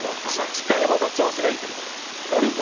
近い方が調子がいいってことです。